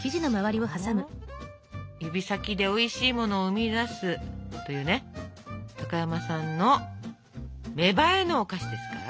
指先でおいしいものを生み出すというね高山さんの芽生えのお菓子ですから。